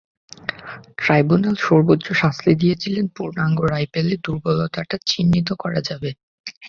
Tribunal সর্বোচ্চ শাস্তি দিয়েছিলেন, পূর্ণাঙ্গ রায় পেলে দুর্বলতাটা চিহ্নিত করা যাবে।